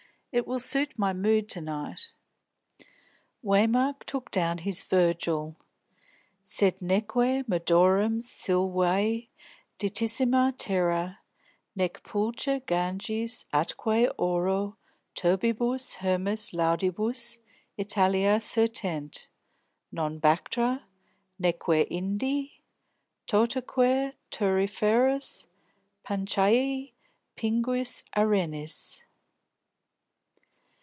"It will suit my mood to night." Waymark took down his Virgil. "Sed neque Medorum silvae, ditissima terra, Nec pulcher Ganges atque auro turbibus Hermus Laudibus Italiae certent, non Bactra, neque Indi, Totaque turiferis Panchaia pinguis arenis."